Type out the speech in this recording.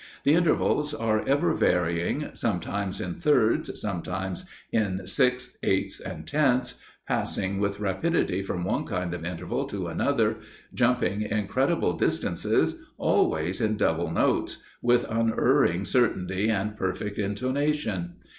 The intervals are ever varying sometimes in thirds, sometimes in sixths, eighths, and tenths passing with rapidity from one kind of interval to another jumping incredible distances always in double notes with unerring certainty and perfect intonation.